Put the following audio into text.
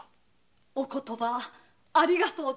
お言葉ありがとう存じます。